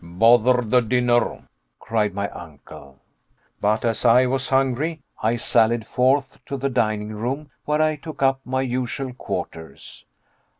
"Bother the dinner!" cried my uncle. But as I was hungry, I sallied forth to the dining room, where I took up my usual quarters.